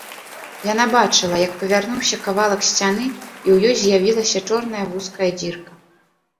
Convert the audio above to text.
Яна бачыла, як павярнуўся кавалак сцяны і ў ёй з'явілася чорная вузкая дзірка.